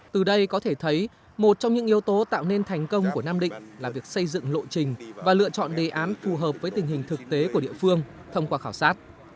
từ đây có thể thấy một trong những yếu tố tạo nên thành công của nam định là việc xây dựng lộ trình và lựa chọn đề án phù hợp với tình hình thực tế của địa phương thông qua khảo sát